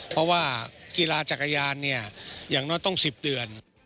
เพราะว่ากีฬาจักรยานเนี่ยอย่างน้อยต้อง๑๐เดือน